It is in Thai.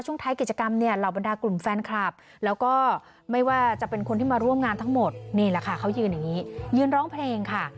นี่แหละค่ะเขายืนอย่างนี้ยืนร้องเพลงค่ะ